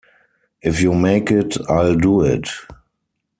If you make it, I'll do it'.